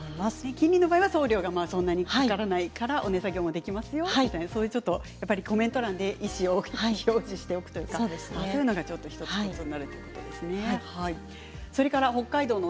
近隣の場合は送料がそんなにかからないからお値下げもできますよとコメント欄に意思を表示しておくというかそういうのが１つ手なんですね。